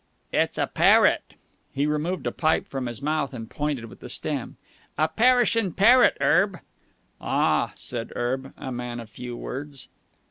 "It's a parrot!" He removed a pipe from his mouth and pointed with the stem. "A perishin' parrot, Erb." "Ah!" said Erb, a man of few words.